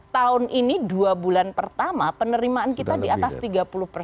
tahun ini dua bulan pertama penerimaan kita di atas tiga puluh persen